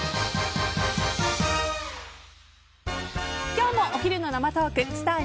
今日もお昼の生トークスター☆